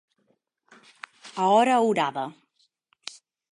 A hora horada.